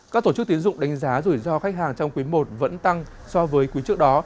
các tổ chức tiến dụng đánh giá rủi ro khách hàng trong quý i vẫn tăng so với quý trước đó